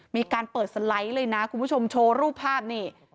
มีการเปิดสไลด์เลยนะคุณผู้ชมโชว์รูปภาพนี่